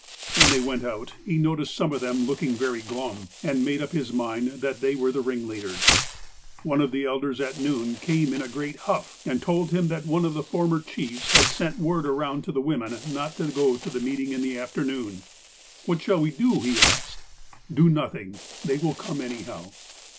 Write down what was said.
When they went out, he noticed some of them looking very glum, and made up his mind that they were the ringleaders. One of the elders at noon came in a great huff, and told him that one of the former chiefs had sent word around to the women not to go to the meeting in the afternoon. '' What shall we do ?" he asked. "Do nothing. They will come anyhow."